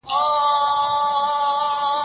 زه به هره جمعه خپلو خپلوانو ته ټلیفون کوم.